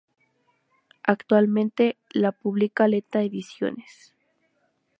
Actualmente, la publica Aleta Ediciones.